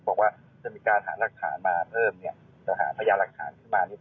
บอกว่าจะมีการหารักฐานมาเพิ่มต้องหารักฐานชนิดนึง